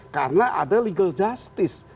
karena ada legal justice